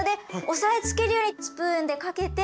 押さえつけるようにスプーンでかけて。